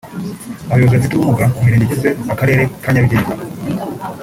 Abayobozi b’abafite ubumuga mu Mirenge igize Akarere ka Nyarugenge